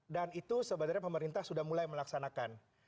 dan itu sebenarnya pemerintah sudah mulai melaksanakan